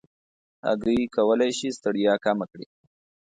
هګۍ کولی شي ستړیا کمه کړي.